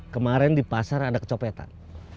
kemarin di pasar ada kecopetan